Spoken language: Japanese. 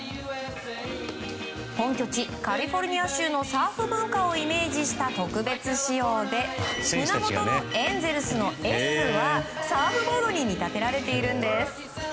本拠地カリフォルニア州のサーフ文化をイメージした特別仕様で胸元の「ＡＮＧＥＬＳ」の「Ｓ」はサーフボードに見立てられているんです。